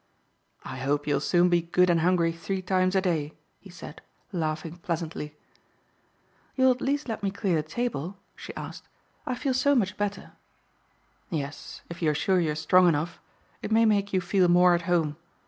"I hope you'll soon be good and hungry three times a day," he said, laughing pleasantly. "You'll at least let me clear the table?" she asked. "I feel so much better." "Yes, if you are sure you're strong enough. It may make you feel more at home.